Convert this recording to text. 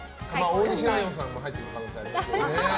大西ライオンさんが入ってくる可能性がありますけどね。